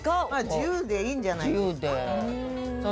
自由でいいんじゃないですか。